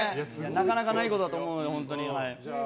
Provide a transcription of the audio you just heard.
なかなかないことだと思うので。